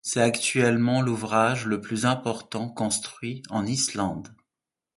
C'est actuellement l'ouvrage le plus important construit en Islande.